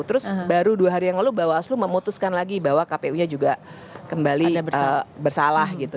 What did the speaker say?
terus baru dua hari yang lalu bawaslu memutuskan lagi bahwa kpu nya juga kembali bersalah gitu